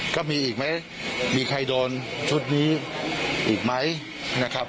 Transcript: ก็มีอีกไหมมีใครโดนชุดนี้อีกไหมนะครับ